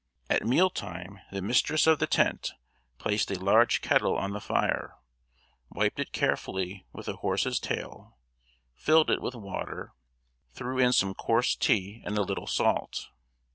At mealtime the mistress of the tent placed a large kettle on the fire, wiped it carefully with a horse's tail, filled it with water, threw in some coarse tea and a little salt.